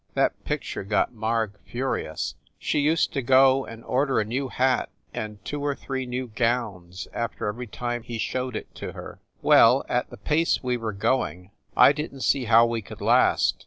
That picture got Marg furious; she used to go and order a new hat and two or three new gowns after every time he showed it to her. Well, at the pace we were going, I didn t see how we could last.